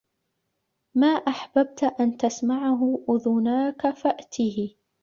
مَا أَحْبَبْت أَنْ تَسْمَعَهُ أُذُنَاك فَأْتِهِ